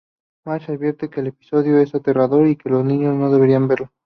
Marge advierte que el episodio es aterrador y que los niños no deberían verlo.